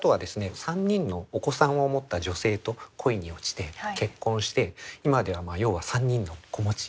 ３人のお子さんを持った女性と恋に落ちて結婚して今では要は３人の子持ち。